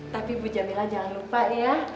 tapi bu jamila jangan lupa ya